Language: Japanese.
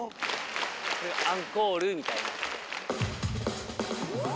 アンコールみたいな。